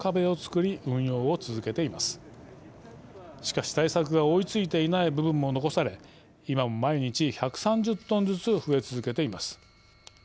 しかし対策が追いついていない部分も残され今も毎日１３０トンずつ増え続けています。